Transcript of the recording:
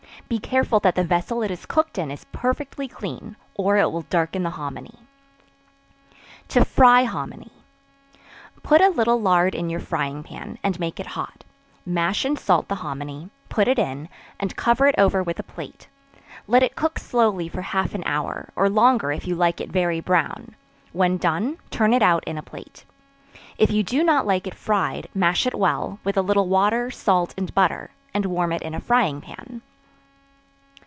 Be careful that the vessel it is cooked in, is perfectly clean, or it will darken the hominy. To Fry Hominy. Put a little lard in your frying pan, and make it hot; mash and salt the hominy; put it in, and cover it over with a plate; let it cook slowly for half an hour, or longer if you like it very brown; when done, turn it out in a plate. If you do not like it fried, mash it well, with a little water, salt, and butter, and warm it in a frying pan.